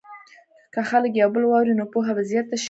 که خلک یو بل واوري، نو پوهه به زیاته شي.